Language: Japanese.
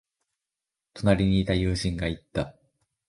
隣にいた友人が言った。